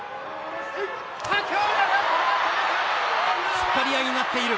突っ張り合いになっている。